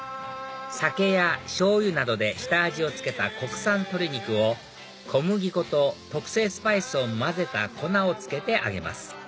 酒やしょうゆなどで下味を付けた国産鶏肉を小麦粉と特製スパイスを混ぜた粉をつけて揚げます